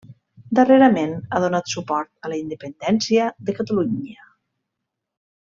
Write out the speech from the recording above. Darrerament ha donat suport a la independència de Catalunya.